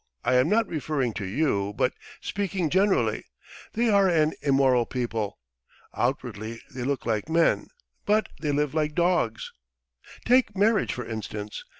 I am not referring to you, but speaking generally. ... They are an immoral people! Outwardly they look like men, but they live like dogs. Take marriage for instance.